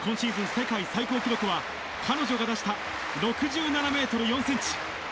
世界最高記録は、彼女が出した６７メートル４センチ。